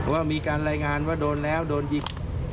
ว่ามีการรายงานว่าโดนแล้วโดนยิง